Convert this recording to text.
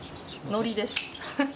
のりです。